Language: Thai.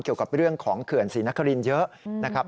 เกี่ยวกับเรื่องของเขื่อนศรีนครินเยอะนะครับ